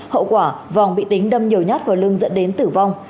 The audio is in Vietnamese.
hậu quả vòng bị tính đâm nhiều nhát vào lưng dẫn đến tử vong